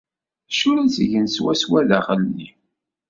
D acu la ttgen swaswa sdaxel-nni?